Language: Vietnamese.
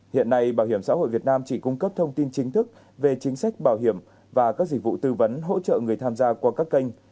hiện nay bảo hiểm xã hội việt nam chỉ cung cấp thông tin chính thức về chính sách bảo hiểm và các dịch vụ tư vấn hỗ trợ người tham gia qua các kênh